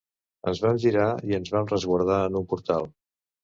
Ens vam girar i ens vam resguardar en un portal.